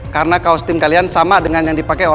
karena kaos tim kalian sama dengan yang dipakai